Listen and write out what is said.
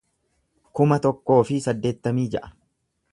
kuma tokkoo fi saddeettamii ja'a